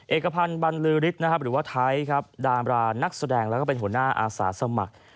เอกพันธ์บรรลือฤทธิ์นะครับหรือว่าไทยครับดามรานักแสดงแล้วก็เป็นหัวหน้าอาสาสมัคร